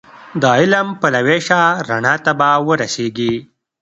د علم پلوی شه رڼا ته به ورسېږې